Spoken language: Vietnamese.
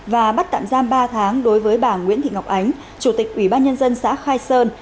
và bắt tạm giam ba tháng đối với bà nguyễn thị ngọc ánh chủ tịch ủy ban nhân dân xã khai sơn